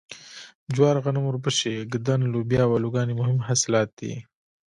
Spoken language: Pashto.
جوار غنم اوربشې ږدن لوبیا او الوګان یې مهم حاصلات دي.